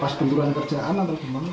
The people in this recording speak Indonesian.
pas benturan kerjaan atau gimana